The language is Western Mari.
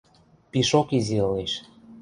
Пишок изи ылеш.